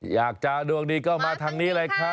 อยากจะร่วงนี้ก็มาทางนี้เลยค่ะ